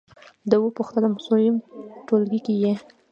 ده وپوښتلم: څووم ټولګي کې یې؟